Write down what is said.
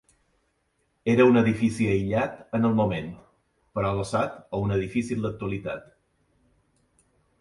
Era un edifici aïllat en el moment, però adossat a un edifici en l'actualitat.